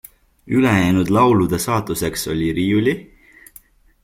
Ülejäänud laulude saatuseks oli riiuli.